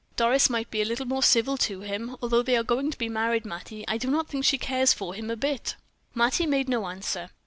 "Doris might be a little more civil to him. Although they are going to be married, Mattie, I do not think she cares for him a bit." Mattie made no answer.